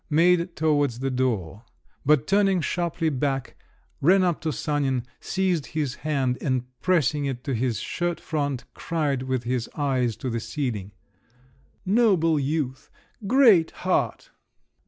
made towards the door; but turning sharply back, ran up to Sanin, seized his hand, and pressing it to his shirt front, cried, with his eyes to the ceiling: "Noble youth! Great heart!